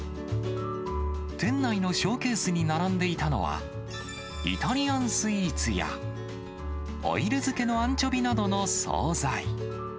店内のショーケースに並んでいたのは、イタリアンスイーツやオイル漬けのアンチョビなどの総菜。